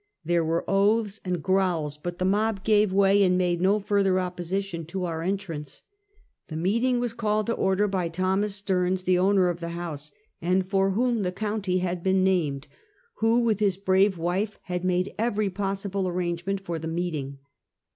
There were oaths and growls, but the mob gave way, and made no further opposi tion to our entrance. The meeting was called to order by Thomas Stearns, the owner of the house and for whom the county had Speak in Public. 187 been named, who with his brave wife had made every possible arrangement for the meeting.